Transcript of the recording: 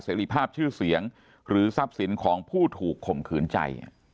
รีภาพชื่อเสียงหรือทรัพย์สินของผู้ถูกข่มขืนใจ